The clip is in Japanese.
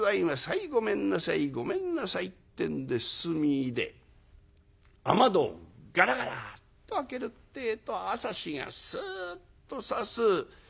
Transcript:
はいごめんなさいごめんなさい」ってんで進みいで雨戸をガラガラッと開けるってえと朝日がスッとさす。